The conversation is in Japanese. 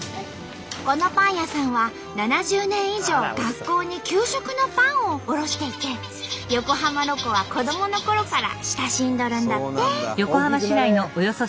このパン屋さんは７０年以上学校に給食のパンを卸していて横浜ロコは子どものころから親しんどるんだって！